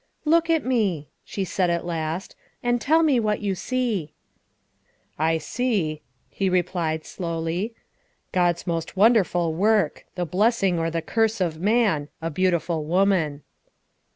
" Look at me," she said at last, " and tell me what you see." " I see," he replied slowly, " God's most wonderful work, the blessing or the curse of man, a beautiful woman.